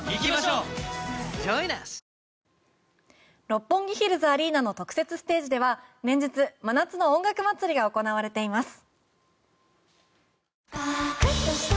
六本木ヒルズアリーナの特設ステージでは連日、真夏の音楽祭りが行われています。